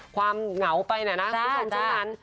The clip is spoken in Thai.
เหงาไปนะคุณผู้ชมเท่านั้น